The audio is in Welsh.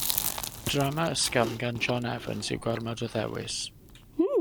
Drama ysgafn gan John Evans yw Gormod o Ddewis.